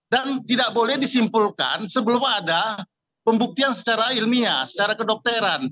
dan tidak boleh disimpulkan sebelum ada pembuktian secara ilmiah secara kedokteran